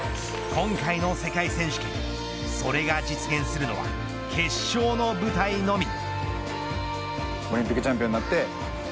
今回の世界選手権それが実現するのは決勝の舞台のみ。